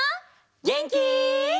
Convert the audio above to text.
げんき？